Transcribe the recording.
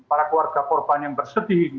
para keluarga korban yang bersedih